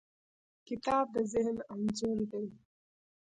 کتاب د ذهن انځور دی.